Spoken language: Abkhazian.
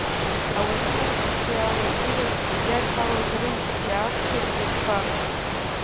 Ауардын ашьҭахьтәи аларгыла иадҳәалаз рыжә иаакәшеит ахәыҷқәа.